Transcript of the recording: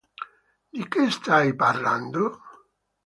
Di che stai parlando?".